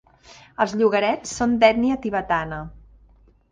Els llogarets són d'ètnia tibetana.